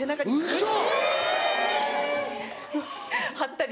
ウソ！